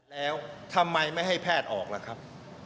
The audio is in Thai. แล้วทำไมไม่ให้แพทย์ออกล่ะครับ